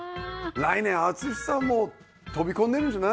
来年敦士さんも飛び込んでるんじゃない？